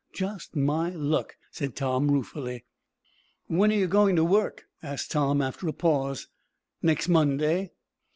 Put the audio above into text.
"Just my luck," said Tom, ruefully. "When are you goin' to work?" asked Tom, after a pause. "Next Monday."